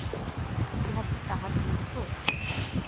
ইহা কি তাহার বিরুদ্ধ?